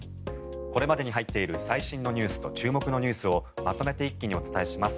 これまでに入っている最新ニュースと注目ニュースをまとめて一気にお伝えします。